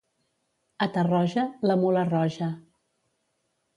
A Tarroja, la mula roja.